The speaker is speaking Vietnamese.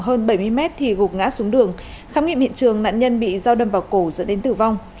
hơn bảy mươi mét thì gục ngã xuống đường khám nghiệm hiện trường nạn nhân bị dao đâm vào cổ dẫn đến tử vong